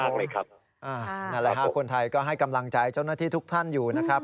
ขอบคุณมากเลยครับขอบคุณครับขอบคุณนั่นแหละฮะคนไทยก็ให้กำลังใจเจ้าหน้าที่ทุกท่านอยู่นะครับ